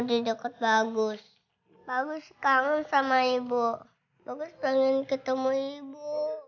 di dekat bagus bagus kangen sama ibu bagus pengen ketemu ibu